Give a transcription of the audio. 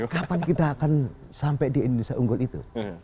kapan kita akan sampai di indonesia unggul itu